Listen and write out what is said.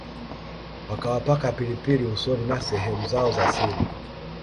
wakawapaka pilipili usoni na sehemu zao za siri